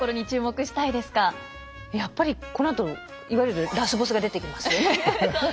やっぱりこのあといわゆるラスボスが出てきますよね。